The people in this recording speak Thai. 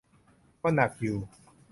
ก็หนักอยู่